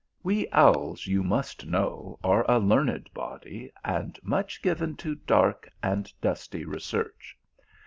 We owls, you must know, are a learned body, and much given to dark and dusty research.